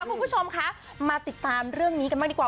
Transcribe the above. คุณผู้ชมคะมาติดตามเรื่องนี้กันบ้างดีกว่า